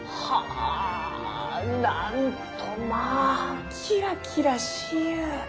あなんとまあキラキラしゆう！